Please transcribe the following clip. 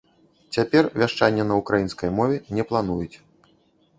Цяпер вяшчанне на ўкраінскай мове не плануюць.